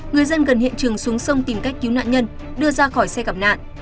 người dân gần hiện trường xuống sông tìm cách cứu nạn nhân đưa ra khỏi xe gặp nạn